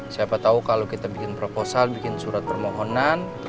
siapa tahu kalau kita bikin proposal bikin surat permohonan